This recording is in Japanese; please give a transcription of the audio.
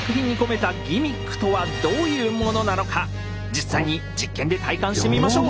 実際に実験で体感してみましょう。